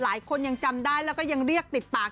หลายคนยังจำได้แล้วก็ยังเรียกติดปาก